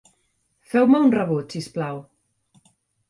Feu-me un rebut, si us plau.